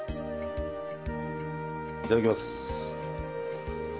いただきます。